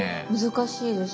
難しいです。